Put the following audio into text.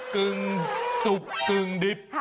กึ่งสุกกึ่งดิบ